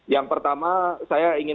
yang pertama saya ingin